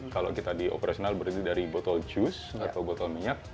kalau kita di operasional berarti dari botol juice atau botol minyak